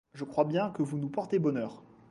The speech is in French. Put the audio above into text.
Je crois bien que vous nous portez bonheur.